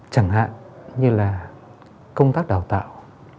chẳng hạn như là công tác đào tạo